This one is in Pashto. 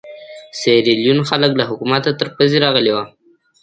سیریلیون خلک له حکومته تر پزې راغلي وو.